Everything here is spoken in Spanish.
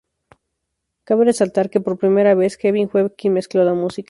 Cabe resaltar, que por primera vez, Kevin fue quien mezcló la música.